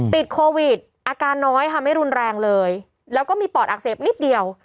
ติดโควิดอาการน้อยค่ะไม่รุนแรงเลยแล้วก็มีปอดอักเสบนิดเดียว